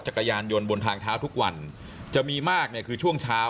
จักรยานยนต์บนทางเท้าทุกวันจะมีมากเนี่ยคือช่วงเช้า